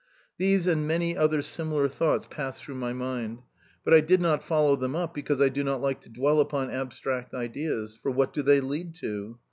These and many other similar thoughts passed through my mind, but I did not follow them up, because I do not like to dwell upon abstract ideas for what do they lead to?